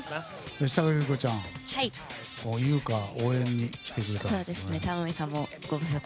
吉高由里子ちゃん由薫、応援に来てくれた。